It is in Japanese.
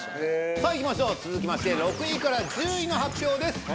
さあいきましょう続きまして６位から１０位の発表です。